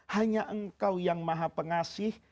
hanya engkau yang maha pengasih